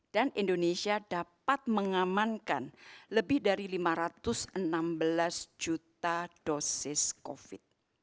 dan indonesia dapat mengamankan lebih dari lima ratus enam belas juta dosis covid